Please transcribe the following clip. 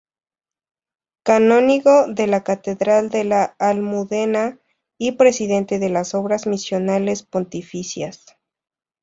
Canónigo de la Catedral de la Almudena y presidente de las Obras Misionales Pontificias.